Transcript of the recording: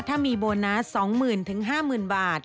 ถ้ามีโบนัส๒๐๐๐๕๐๐๐บาท